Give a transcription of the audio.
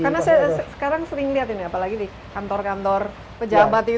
karena sekarang sering dilihat ini ya apalagi di kantor kantor pejabat itu